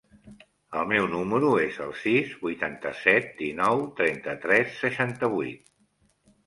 El meu número es el sis, vuitanta-set, dinou, trenta-tres, seixanta-vuit.